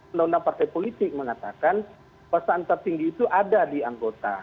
undang undang partai politik mengatakan kekuasaan tertinggi itu ada di anggota